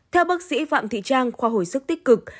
theo bác sĩ phạm thị trang khoa hồi sức tích cực